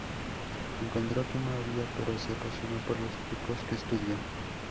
Encontró que no había, pero se apasionó por los grupos que estudió.